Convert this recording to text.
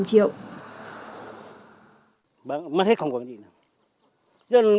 mất hết không còn gì nữa